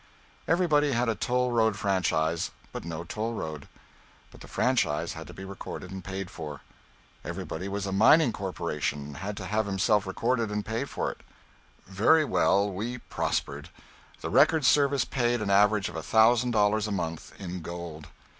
Everybody had a toll road franchise, but no toll road. But the franchise had to be recorded and paid for. Everybody was a mining corporation, and had to have himself recorded and pay for it. Very well, we prospered. The record service paid an average of a thousand dollars a month, in gold.